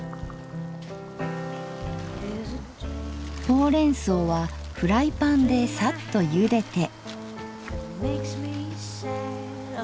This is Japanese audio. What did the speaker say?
ほうれんそうはフライパンでさっとゆでて。